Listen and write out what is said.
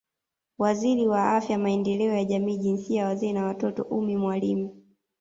Waziri wa Afya Maendeleo ya Jamii Jinsia Wazee na Watoto ni Ummy Mwalimu